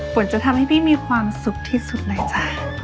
ฝนจะทำให้พี่มีความสุขที่สุดเลยจ้ะ